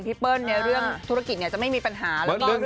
เปิ้ลในเรื่องธุรกิจจะไม่มีปัญหา